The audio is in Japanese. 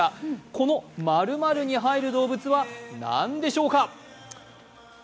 この○○に入る動物は何でしょうか？